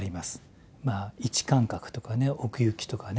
位置感覚とかね奥行きとかね方向とかね。